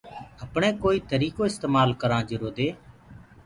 اپڻي ڪوئيٚ تريٚڪو اِستمآل ڪرآنٚ جرو دي